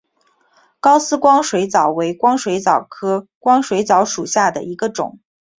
高斯光水蚤为光水蚤科光水蚤属下的一个种。